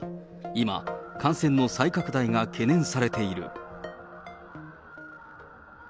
今、感染の再拡大が懸念されている。